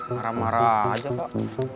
marah marah aja pak